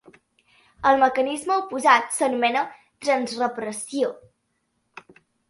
El mecanisme oposat s'anomena transrepressió.